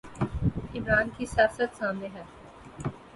عمران کی سیاست سامنے ہے۔